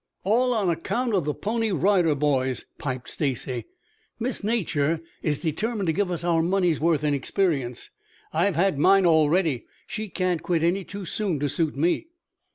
"All on account of the Pony Rider Boys," piped Stacy. "Miss Nature is determined to give us our money's worth in experience. I've had mine already. She can't quit any too soon to suit me."